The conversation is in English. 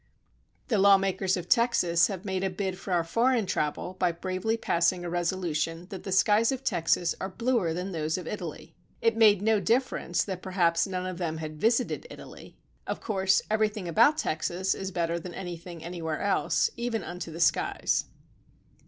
The law makers of Texas have made a bid for our foreign travel by bravely passing a resolution that the skies of Texas are bluer than those of Italy. It made no differ ence that perhaps none of them had visited Italy ; of course everything about Texas is better than anything anywhere else, even un to the skies.